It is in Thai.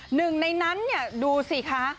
หนึ่งในนั้นดูสิคะ